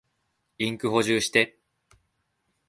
インク補充して。